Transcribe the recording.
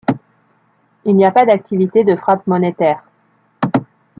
Il y n'a pas d'activité de frappe monétaire.